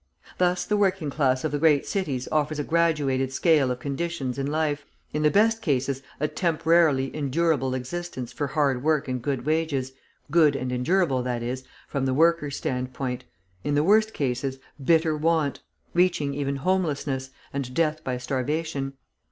Thus the working class of the great cities offers a graduated scale of conditions in life, in the best cases a temporarily endurable existence for hard work and good wages, good and endurable, that is, from the worker's standpoint; in the worst cases, bitter want, reaching even homelessness and death by starvation.